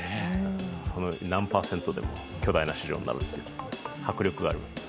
その何％でも巨大な市場になると、迫力がありますね。